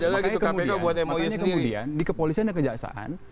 maka kemudian di kepolisian dan kejaksaan